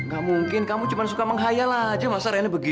gak mungkin kamu cuma suka menghayal aja masa renek begitu sih